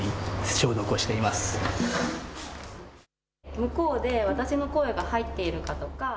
向こうで私の声が入っているかとか。